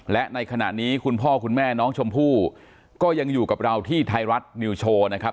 และในขณะนี้คุณพ่อคุณแม่น้องชมพู่ก็ยังอยู่กับเราที่ไทยรัฐนิวโชว์นะครับ